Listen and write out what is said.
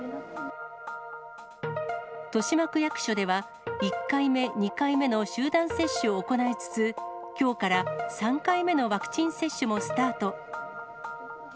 豊島区役所では、１回目、２回目の集団接種を行いつつ、きょうから３回目のワクチン接種もスタート。